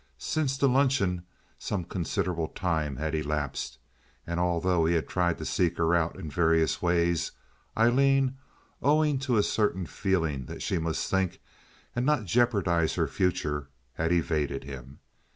Since the luncheon some considerable time had elapsed, and although he had tried to seek her out in various ways, Aileen, owing to a certain feeling that she must think and not jeopardize her future, had evaded him.